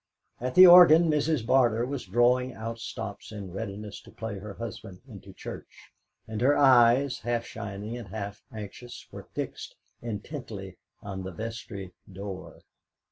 At the organ Mrs. Barter was drawing out stops in readiness to play her husband into church, and her eyes, half shining and half anxious, were fixed intently on the vestry door.